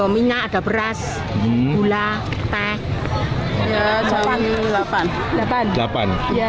minyak ada beras gula teh jalan